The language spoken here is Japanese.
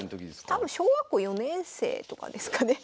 多分小学校４年生とかですかね。